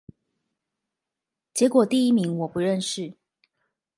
結果第一名我不認識